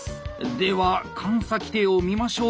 では監査規定を見ましょう。